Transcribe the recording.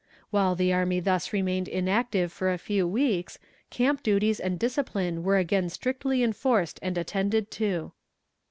While the army thus remained inactive for a few weeks, camp duties and discipline were again strictly enforced and attended to.